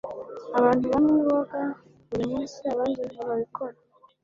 Abantu bamwe boga buri munsi abandi ntibabikora.